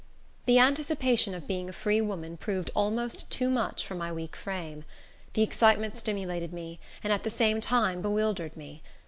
The anticipation of being a free woman proved almost too much for my weak frame. The excitement stimulated me, and at the same time bewildered me.